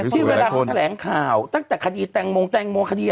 ที่รับราคาแผลงข่าวดังแต่คาดีแต่งมงอะไรเนี่ย